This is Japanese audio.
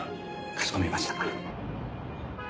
かしこまりました。